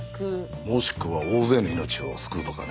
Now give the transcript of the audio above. もしくは大勢の命を救うとかね。